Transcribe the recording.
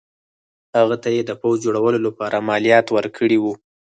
هغه ته یې د پوځ جوړولو لپاره مالیات ورکړي وو.